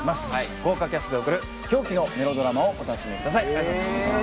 豪華キャストで贈る狂気のメロドラマをお楽しみください。